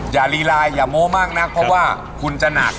อย่าลีลายอย่าโม้มากนักเพราะว่าคุณจะหนัก